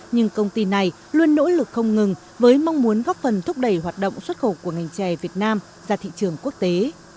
nhưng công ty này luôn nỗ lực không ngừng với mong muốn góp phần thúc đẩy hoạt động xuất khẩu của ngành chè việt nam ra thị trường quốc tế